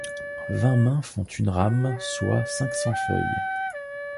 Vingt mains font une rame, soit cinq-cents feuilles.